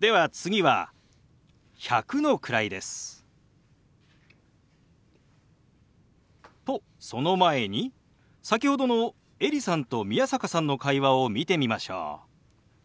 では次は１００の位です。とその前に先ほどのエリさんと宮坂さんの会話を見てみましょう。